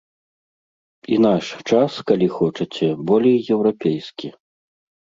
І наш час, калі хочаце, болей еўрапейскі.